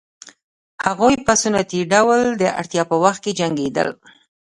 هغوی په سنتي ډول د اړتیا په وخت کې جنګېدل